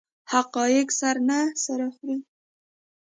حقایق سر نه سره خوري.